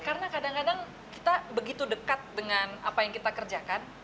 karena kadang kadang kita begitu dekat dengan apa yang kita kerjakan